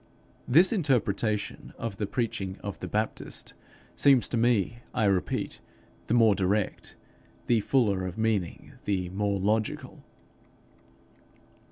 This interpretation of the preaching of the Baptist seems to me, I repeat, the more direct, the fuller of meaning, the more logical.